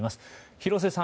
廣瀬さん